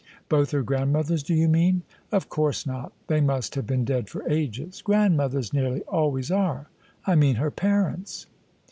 " Both her grandmothers do you mean? " "Of course not: they must have been dead for ages: grandmothers nearly always are, I mean her parents."